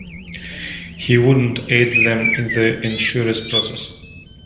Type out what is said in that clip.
He wouldn't aid them in the insurance process.